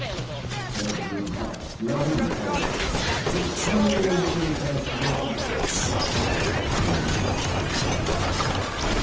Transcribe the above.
寺内容疑者は調べに対し復縁を求めたがかなわず刺したと供述しています。